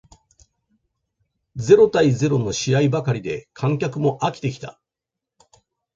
ゼロ対ゼロの試合ばかりで観客も飽きてきた